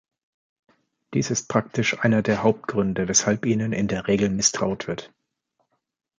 Dies ist praktisch einer der Hauptgründe, weshalb ihnen in der Regel misstraut wird.